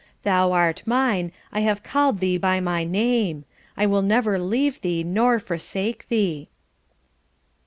'Thou art mine, I have called thee by my name.' 'I will never leave thee nor forsake thee.'"